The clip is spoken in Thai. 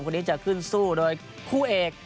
คนนี้จะขึ้นสู้โดยคู่เอก